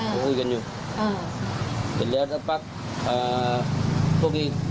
สักพักก็หายไปกันเรื่องเงินแล้วก็กลายเป็นว่ามีเหตุทำร้ายกันอีกรอบหนึ่งค่ะ